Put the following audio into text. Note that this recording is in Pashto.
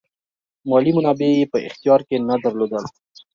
مالي منابع یې په اختیار کې نه درلودل.